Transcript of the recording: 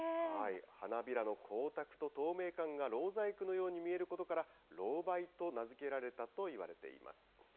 花びらの光沢と透明感がろう細工のように見えることから、ロウバイと名付けられたといわれています。